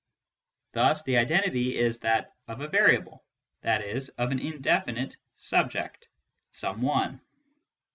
Thus the identity is that of a variable, i.e. of an indefinite subject, " some one."